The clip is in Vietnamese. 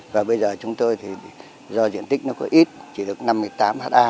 và bây giờ chúng tôi thì do diện tích nó có ít chỉ được năm mươi tám ha